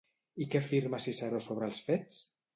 I què afirma Ciceró sobre els fets?